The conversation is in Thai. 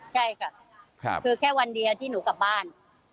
ใช่ค่ะคือแค่วันเดียวที่หนูกลับบ้าน